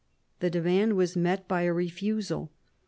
The demand was met by a refusal.